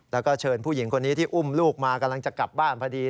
แล้วก็เชิญผู้หญิงคนนี้ที่อุ้มลูกมากำลังจะกลับบ้านพอดี